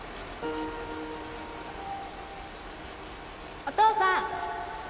お父さん